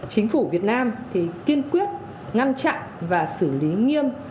chính phủ việt nam thì kiên quyết ngăn chặn và xử lý nghiêm